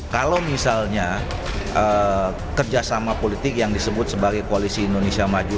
kalau misalnya kerjasama politik yang disebut sebagai koalisi indonesia maju